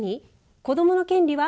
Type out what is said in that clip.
子どもの権利は？